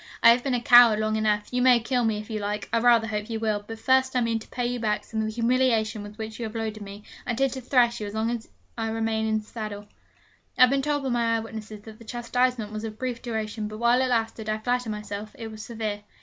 I have been a coward long enough. You may kill me if you like. I rather hope you will; but first I mean to pay you back some of the humiliation with which you have loaded me. I intend to thrash you as long as I remain in the saddle.' I have been told by eye witnesses that the chastisement was of brief duration, but while it lasted, I flatter myself, it was severe.